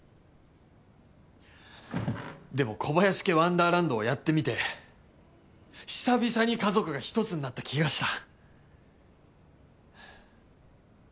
でも小林家ワンダーランドをやってみて久々に家族が一つになった気がした。